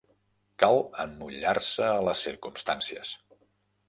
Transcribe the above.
Cal emmotllar-se a les circumstàncies.